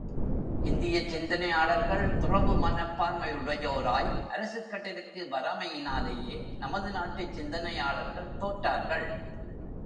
இந்திய சிந்தனையாளர்கள் துறவு மனப் பான்மையுடையோராய், அரசுக் கட்டிலுக்கு வராமையினாலேயே நமது நாட்டுச் சிந்தனையாளர்கள் தோற்றார்கள்.